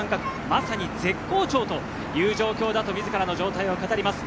まさに絶好調という状況だと自らの状態を語ります。